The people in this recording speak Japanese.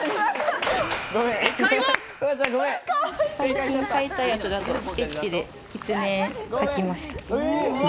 最近描いたやつだとスケッチでキツネ描きました。